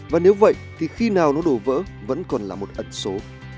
và nếu vậy thì khi nào nó đổ vỡ vẫn còn là một ẩn số